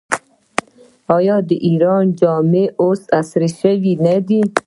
آیا د ایران جامې اوس عصري شوې نه دي؟